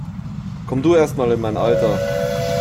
Komm du erst mal in mein Alter!